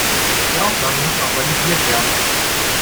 Die Aufnahmen müssen auch validiert werden.